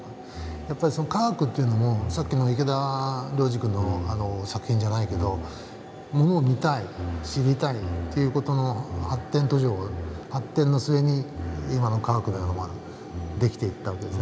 やっぱりその科学っていうのもさっきの池田亮司君の作品じゃないけどものを見たい知りたいって事の発展途上発展の末に今の科学のようなものが出来ていったわけですね。